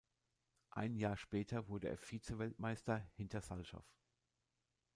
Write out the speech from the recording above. Ein Jahr später wurde er Vize-Weltmeister hinter Salchow.